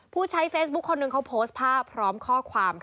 ผู้ใช้เฟซบุ๊คคนหนึ่งเขาโพสต์ภาพพร้อมข้อความ